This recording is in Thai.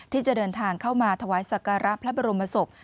ที่จะเดินทางเข้ามาถวายสักการะพระบรมศพ